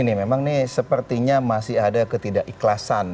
ini memang nih sepertinya masih ada ketidak ikhlasan